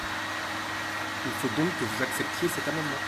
Il faut donc que vous acceptiez cet amendement